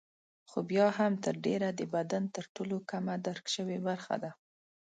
خو بیا هم تر ډېره د بدن تر ټولو کمه درک شوې برخه ده.